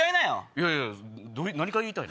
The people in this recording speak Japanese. いやいや何が言いたいの？